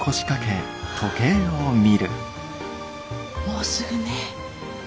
もうすぐね。